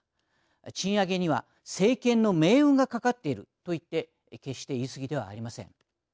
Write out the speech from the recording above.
賃上げには政権の命運が懸かっているといって決して言い過ぎではありません。